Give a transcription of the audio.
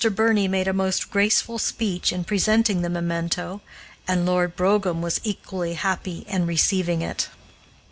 Birney made a most graceful speech in presenting the memento, and Lord Brougham was equally happy in receiving it.